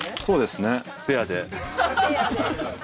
そうですね。